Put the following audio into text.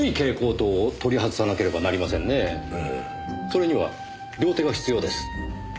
それには両手が必要です。